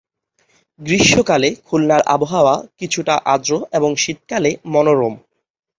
গ্রীষ্মকালে খুলনার আবহাওয়া কিছুটা আর্দ্র এবং শীতকালে মনোরম।